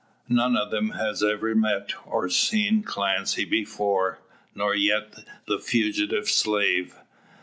None of them has ever met or seen Clancy before, nor yet the fugitive slave.